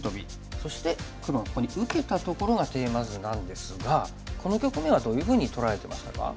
そして黒がここに受けたところがテーマ図なんですがこの局面はどういうふうに捉えてましたか？